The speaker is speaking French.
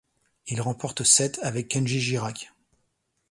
Il remporte cette avec Kendji Girac.